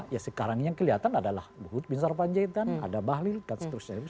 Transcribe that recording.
ya sekarang ini yang kelihatan adalah luhut binsar panjaitan ada bahlil dan seterusnya